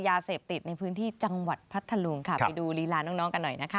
ยาเสพติดในพื้นที่จังหวัดพัทธลุงค่ะไปดูลีลาน้องน้องกันหน่อยนะคะ